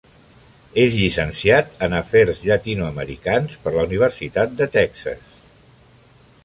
És llicenciat en afers llatinoamericans per la Universitat de Texas.